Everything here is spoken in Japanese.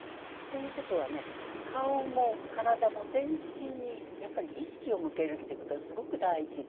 という事はね顔も体も全身にやっぱり意識を向けるっていう事がすごく大事。